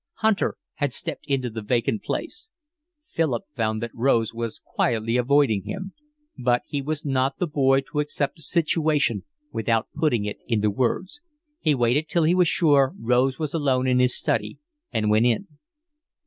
Hunter had stepped into the vacant place. Philip found that Rose was quietly avoiding him. But he was not the boy to accept a situation without putting it into words; he waited till he was sure Rose was alone in his study and went in.